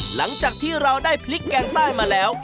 หลังจากที่เราได้พริกแกงใต้มาแล้ว